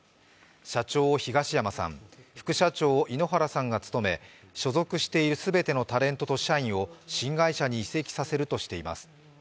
社長を東山さん、副社長を井ノ原さんが務め所属している全てのタレントと社員を新会社に移籍させるとしています。